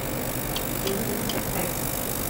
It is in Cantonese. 點點滴滴。